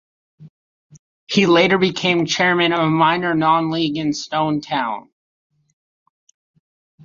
He later became chairman of minor non-league side Stone Town.